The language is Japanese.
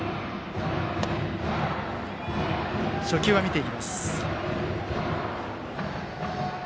初球は見ていきます。